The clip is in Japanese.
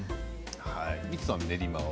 ミッツさん、練馬は？